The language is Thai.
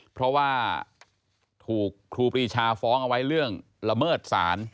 เพราะว่าถูกครูปรีชาฟ้องเอาไว้เรื่องละเมิดศาล